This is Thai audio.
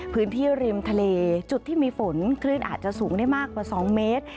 พื้นที่ริมทะเลจุดที่มีฝนคลื่นอาจจะสูงได้มากกว่า๒เมตร